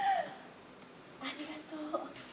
ありがとう。